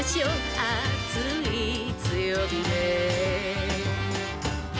「あついつよびで」